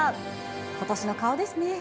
今年の顔ですね。